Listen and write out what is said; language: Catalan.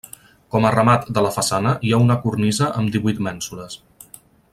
Com a remat de la façana hi ha una cornisa amb divuit mènsules.